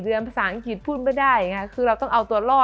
ภาษาอังกฤษพูดไม่ได้คือเราต้องเอาตัวรอด